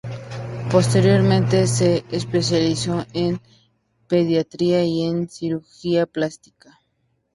Posteriormente, se especializó en Pediatría y en Cirugía Plástica.